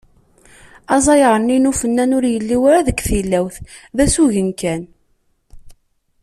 Aẓayer-nni n ufennan ur yelli ara deg tilawt, d asugen kan.